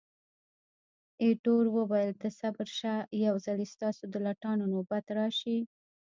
ایټور وویل، ته صبر شه، یو ځلي ستاسو د لټانو نوبت راشي.